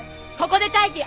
ここで待機。